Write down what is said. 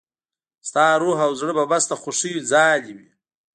ستا روح او زړه به بس د خوښيو ځالې وي.